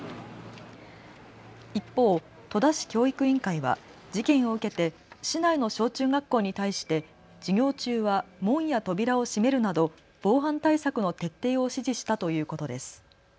一方、戸田市教育委員会は事件を受けて市内の小中学校に対して授業中は門や扉を閉めるなど防犯対策の徹底を指示したということです。